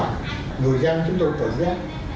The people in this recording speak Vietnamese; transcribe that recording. ngư dân chúng tôi tự giác